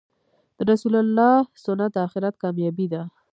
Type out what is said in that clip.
د رسول الله سنت د آخرت کامیابې ده .